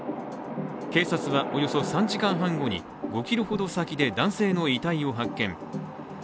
警察はおよそ３時間半後に、５ｋｍほど先で男性の遺体を発見。